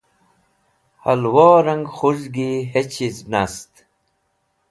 halwo rang khuzgi hechiz nast